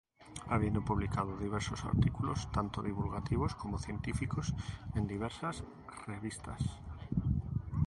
Habiendo publicado diversos artículos, tanto divulgativos como científicos, en diversas revistas.